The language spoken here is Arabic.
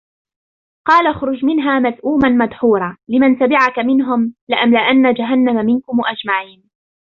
قال اخرج منها مذءوما مدحورا لمن تبعك منهم لأملأن جهنم منكم أجمعين